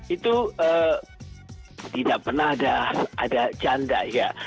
itu tidak pernah ada canda ya